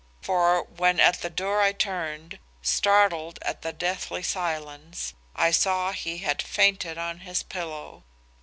For when at the door I turned, startled at the deathly silence, I saw he had fainted on his pillow.